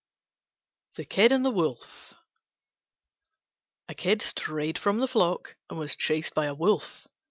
THE KID AND THE WOLF A Kid strayed from the flock and was chased by a Wolf.